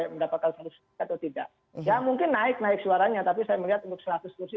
mendapatkan seratus atau tidak ya mungkin naik naik suaranya tapi saya melihat untuk seratus kursi